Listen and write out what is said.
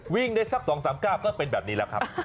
วิ่งได้สัก๒๓๙ก็เป็นแบบนี้แล้วครับ